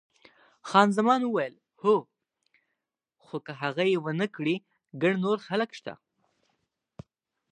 خان زمان وویل، هو، خو که هغه یې ونه کړي ګڼ نور خلک شته.